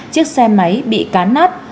chiếc xe máy bị cán nát